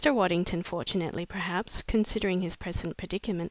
Waddington fortunately, perhaps, considering his present predicament!